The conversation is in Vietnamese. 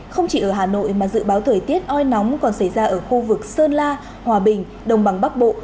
không chỉ ở hà nội mà dự báo thời tiết oi nóng còn xảy ra ở khu vực sơn la hòa bình đồng bằng bắc bộ